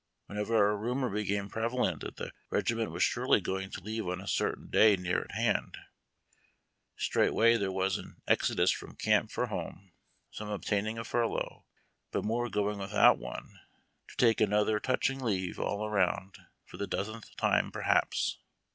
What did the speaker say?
Whenever a rumor be came prevalent that the regiment was surely going to leave on a certain da}^ near at hand, straightway there was an exodus from camp for home, some obtaining a furlough, but more going without one, to take anotlier touching leave all around, for the dozenth time perhaps.